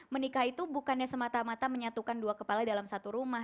menikah itu bukannya semata mata menyatukan dua kepala dalam satu rumah